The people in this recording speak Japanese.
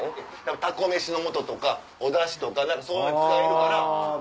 タコ飯のもととかおダシとかそういうのに使えるから。